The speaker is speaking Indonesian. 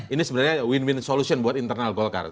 ini sebenarnya win win solution buat internal golkar